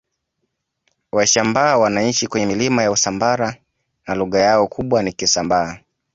Washambaa wanaishi kwenye milima ya Usambara na lugha yao kubwa ni Kisambaa